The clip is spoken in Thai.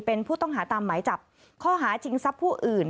เป็นผู้ต้องหาตามหมายจับข้อหาชิงทรัพย์ผู้อื่น